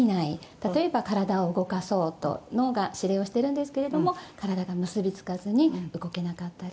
例えば体を動かそうと脳が指令をしてるんですけれども体が結びつかずに動けなかったり。